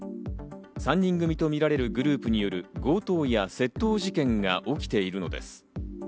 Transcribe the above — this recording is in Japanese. ３人組とみられるグループによる強盗や窃盗事件が起きているのです。